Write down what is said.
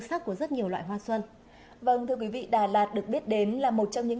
các làng hoa nơi đây lại ngược nhịp hơn bao giờ hết